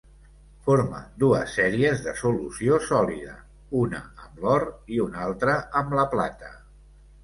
Forma dues sèries de solució sòlida, una amb l'or i una altra amb la plata.